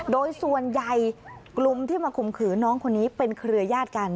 โดยส่วนใหญ่กลุ่มที่มาข่มขืนน้องคนนี้เป็นเครือยาศกัน